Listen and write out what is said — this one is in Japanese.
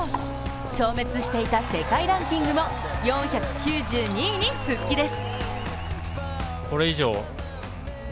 消滅していた世界ランキングも４９２位に復帰です。